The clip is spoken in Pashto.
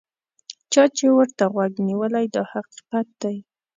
چا چې ورته غوږ نیولی دا حقیقت دی.